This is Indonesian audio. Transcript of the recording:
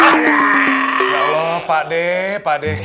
ya allah pak dek pak dek